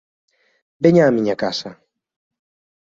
Veña á miña casa.